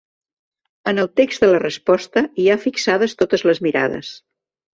En el text de la resposta hi ha fixades totes les mirades.